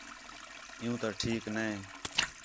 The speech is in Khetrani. عِیّوں تا ٹھیک نے